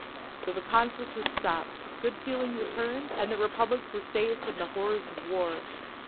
So the conflict was stopped, good feeling returned, and the Republics were saved from the horrors of war.